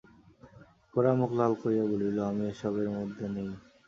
গোরা মুখ লাল করিয়া বলিল, আমি এ-সবের মধ্যে নেই।